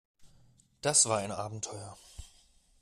Das war ein Abenteuer.